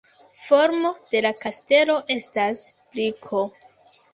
Formo de la kastelo estas briko.